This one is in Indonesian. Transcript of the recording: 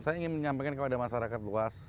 saya ingin menyampaikan kepada masyarakat luas